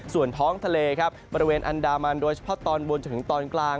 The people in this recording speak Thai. ส่วนท้องทะเลครับบริเวณอันดามันโดยเฉพาะตอนบนจนถึงตอนกลาง